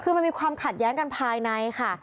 คือมันมีความขัดแย้งกันภายในค่ะ